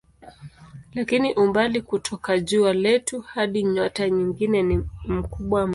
Lakini umbali kutoka jua letu hadi nyota nyingine ni mkubwa mno.